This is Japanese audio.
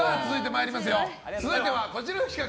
続いてはこちらの企画。